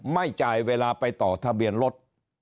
ไม่จ่ายเวลาไปต่อทะเบียนรถ